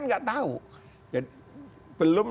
nggak tahu belum